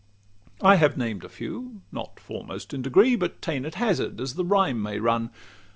I have named a few, not foremost in degree, But ta'en at hazard as the rhyme may run.